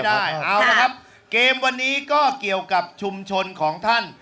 เอาละครับเกมวันนี้ก็เกี่ยวกับชุมชนของท่าน